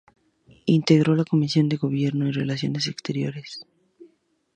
Integró la comisión de Gobierno y Relaciones Exteriores.